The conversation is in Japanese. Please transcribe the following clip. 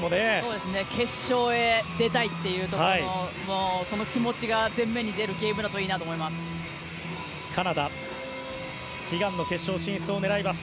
決勝へ出たいっていうところのその気持ちが前面に出るゲームだといいなと思います。